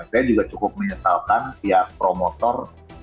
saya juga cukup menyesalkan pihak promotor